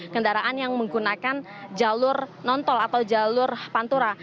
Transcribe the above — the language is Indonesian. kendaraan yang menggunakan jalur non tol atau jalur pantura